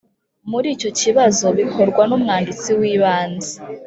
muri icyo kibazo bikorwa n umwanditsi w’ibanze